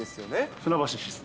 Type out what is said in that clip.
船橋です。